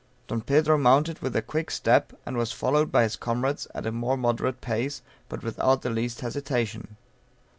Don Pedro mounted with a quick step, and was followed by his comrades at a more moderate pace, but without the least hesitation.